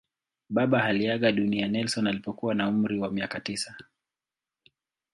Baba aliaga dunia Nelson alipokuwa na umri wa miaka tisa.